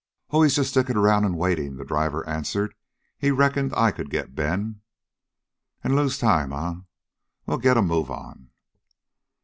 "Oh, he's just stickin' around waitin'," the driver answered. "He reckoned I could get Ben." "An' lose time, eh? Well, get a move on."